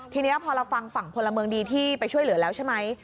ทีนี้พอเราฟังฝั่งพลเมืองดีที่ไปช่วยเหลือแล้วใช่ไหม